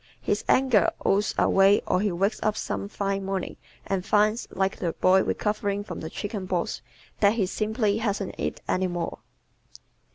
His anger oozes away or he wakes up some fine morning and finds, like the boy recovering from the chickenpox, that he "simply hasn't it any more."